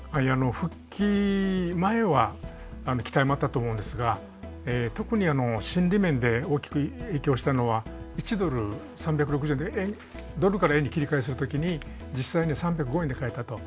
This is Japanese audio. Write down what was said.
復帰前は期待もあったと思うんですが特に心理面で大きく影響したのは１ドル３６０円でドルから円に切り替えする時に実際には３０５円で換えたと。